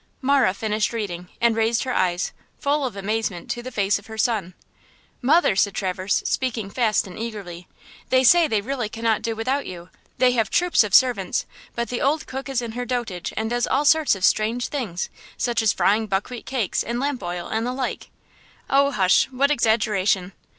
Marah finished reading, and raised her eyes, full of amazement, to the face of her son. "Mother!" said Traverse, speaking fast and eagerly, "they say they really cannot do without you! They have troops of servants; but the old cook is in her dotage and does all sorts of strange things, such as frying buckwheat cakes in lamp oil and the like!" "Oh, hush! what exaggeration!"